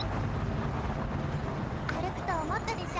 歩くと思ったでしょ？